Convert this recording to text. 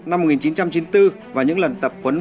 năm một nghìn chín trăm chín mươi bốn và những lần tập huấn